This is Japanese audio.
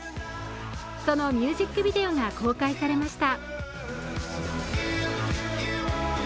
そのミュージックビデオが公開されました。